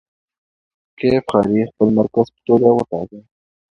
کیف ښاریې د خپل مرکز په توګه وټاکه.